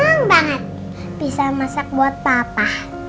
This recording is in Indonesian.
aku seneng banget bisa masak buat papa